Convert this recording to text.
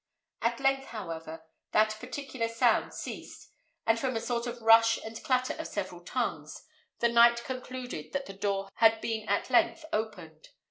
At length, however, that particular sound ceased, and from a sort of rush and clatter of several tongues, the knight concluded that the door had been at length opened.